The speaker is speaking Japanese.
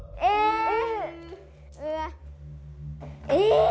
え！